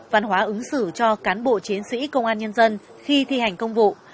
văn hóa ứng xử cho cán bộ chiến sĩ công an nhân dân khi thi hành công vụ